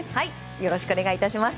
よろしくお願いします。